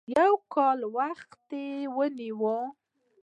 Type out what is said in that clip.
يو کال وخت یې ونیو.